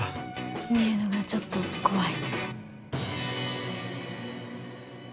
見るのがちょっと怖い。